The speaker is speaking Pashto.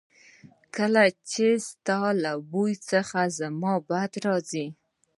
ځکه چې ستا له بوی څخه زما بد راځي